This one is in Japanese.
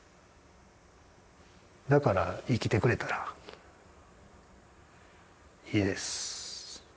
だから生きてくれたらいいです。